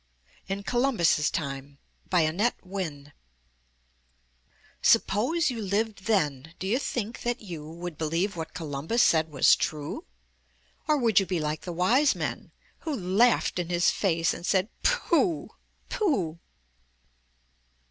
IN COLUMBUS' TIME* Annette Wynne Suppose you lived then, do you think that you Would believe what Columbus said was true. Or would you be like the wise men who Laughed in his face and said, *Tooh, pooh?'